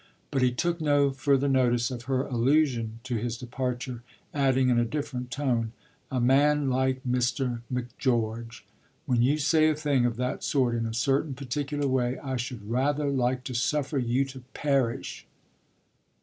But he took no further notice of her allusion to his departure, adding in a different tone: "'A man like Mr. Macgeorge'! When you say a thing of that sort in a certain, particular way I should rather like to suffer you to perish."